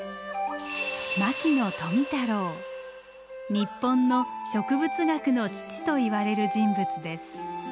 日本の植物学の父といわれる人物です。